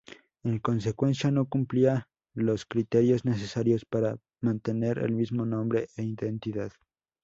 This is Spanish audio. En consecuencia, no cumplía los criterios necesarios para mantener el mismo nombre e identidad.